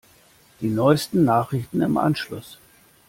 Die neusten Nachrichten im Anschluss.